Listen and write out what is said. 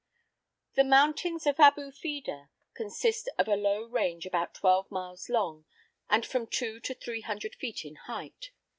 The mountains of Abu Fedah consist of a low range about twelve miles long and from two to three hundred feet in height.